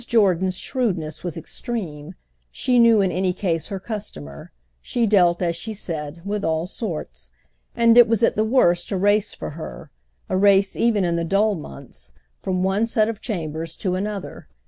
Jordan's shrewdness was extreme; she knew in any case her customer—she dealt, as she said, with all sorts; and it was at the worst a race for her—a race even in the dull months—from one set of chambers to another.